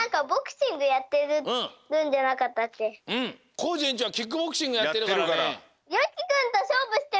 コージえんちょうはキックボクシングやってるからね。